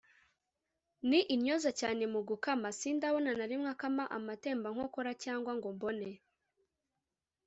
ni intyoza cyane mu gukama; sindabona na rimwe akama amatembankokora cyangwa ngo mbone